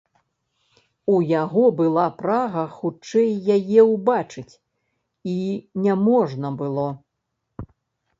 У яго была прага хутчэй яе ўбачыць, і не можна было.